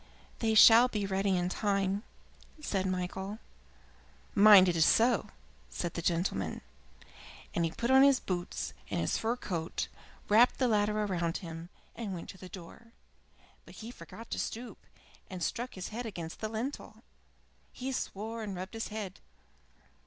"They shall be ready in good time," said Michael. "Mind it is so," said the gentleman, and he put on his boots and his fur coat, wrapped the latter round him, and went to the door. But he forgot to stoop, and struck his head against the lintel. He swore and rubbed his head.